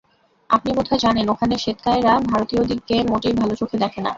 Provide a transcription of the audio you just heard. আপনি বোধহয় জানেন, ওখানের শ্বেতকায়েরা ভারতীয়দিগকে মোটেই ভাল চোখে দেখে না।